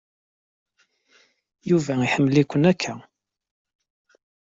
Yuba iḥemmel-ikent akk.